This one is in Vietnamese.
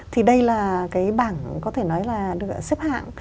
thì đây là cái bảng có thể nói là được xếp hạng